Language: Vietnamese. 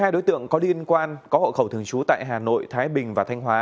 một mươi hai đối tượng có liên quan có hội khẩu thường trú tại hà nội thái bình và thanh hóa